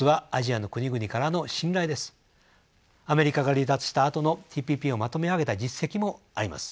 アメリカが離脱したあとのＴＰＰをまとめ上げた実績もあります。